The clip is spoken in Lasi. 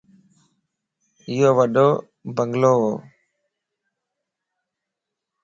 ايو وڏو بنگلوَ